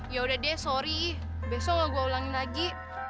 yaudah deh sorry besok gue ulangin lagi